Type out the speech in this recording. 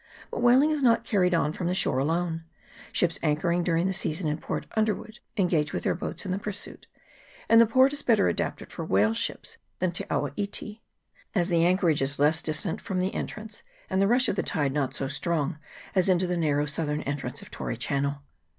But whaling is not carried on from the shore alone : ships anchoring during the season in Port Underwood engage with their boats in the pursuit; and the port is better adapted for the whale ships than Te awa iti, as the anchorage is less distant from the entrance, and the rush of the tide not so strong as into the narrow southern entrance of Tory Channel.